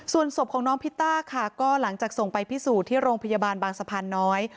ส่วนศพของน้องพิตต้าค่ะก็หลังจากส่งไปพิสูจน์ที่โรงพยาบาลบางสะพานน้อย